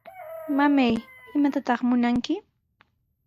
Mamay, ¿imatataq munanki?